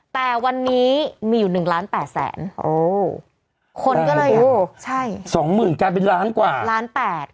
แต่วันนี้มีอยู่หนึ่งล้านแปดแสนโอ้คนก็เลยโอ้ใช่สองหมื่นกลายเป็นล้านกว่าล้านแปด